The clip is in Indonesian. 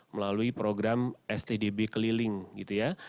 melalui program stdb keliling gitu ya